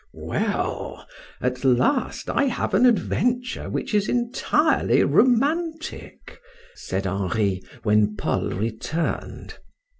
"Well, at last I have an adventure which is entirely romantic," said Henri, when Paul returned.